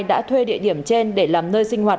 đã thuê địa điểm trên để làm nơi sinh hoạt